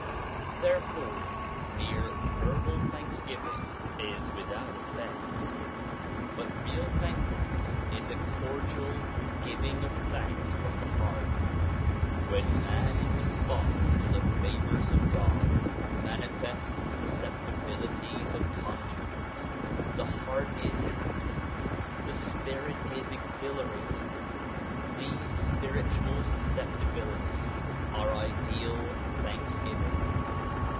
Therefore mere verbal thanksgiving is without effect. But real thankfulness is a cordial giving of thanks from the heart. When man in response to the favors of God manifests susceptibilities of conscience, the heart is happy, the spirit is exhilarated. These spiritual susceptibilities are ideal thanksgiving.